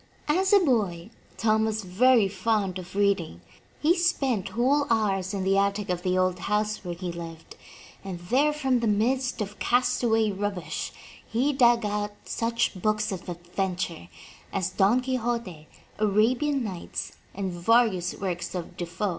As a boy Tom was very fond of reading. He spent whole hours in the attic of the old house where he lived, and there from the midst of castaway rubbish, he dug out such books of adven ture as Don Quixote, Arabian Nights, and various works of Defoe.